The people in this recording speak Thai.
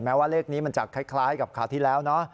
ว่าเลขนี้มันจะคล้ายกับคราวที่แล้วเนอะ